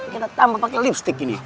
kita tambah pakai lipstick ini